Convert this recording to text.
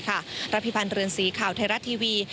พิพันธ์เรือนสีข่าวไทยรัฐทีวี